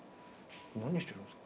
何してるんすか？